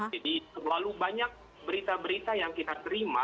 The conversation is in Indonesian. jadi terlalu banyak berita berita yang kita terima